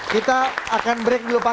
kita akan break dulu pak